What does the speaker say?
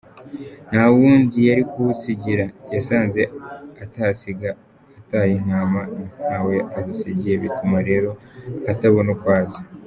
Ntawundi yarikuwusigira , yasanze atasiga ataye Intama ntawe azisigiye , bituma rero atabona uko aza.